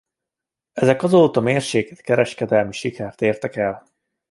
Ezek azóta mérsékelt kereskedelmi sikert értek el.